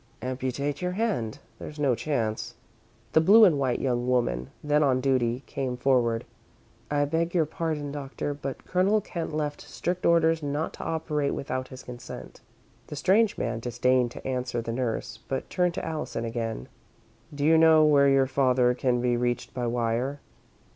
"Amputate your hand. There's no chance." The blue and white young woman then on duty came forward. "I beg your pardon, Doctor, but Colonel Kent left strict orders not to operate without his consent." The strange man disdained to answer the nurse, but turned to Allison again. "Do you know where your father can be reached by wire?"